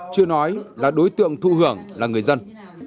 chưa nói là đối tượng thụ hưởng là người dân